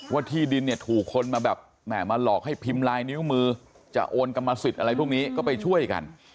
ว่าที่ดินถูกคนมาหลอกให้พิมพ์ไลน์นิ้วมือจะโอนกรรมสิทธิ์อะไรพวกนี้ก็ไปช่วยกัน